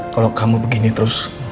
kalau kamu begini terus